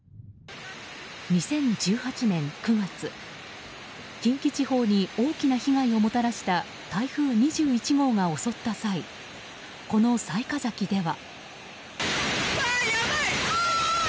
２０１８年９月近畿地方に大きな被害をもたらした台風２１号が襲った際この雑賀崎では。